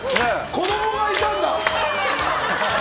子供がいたんだ！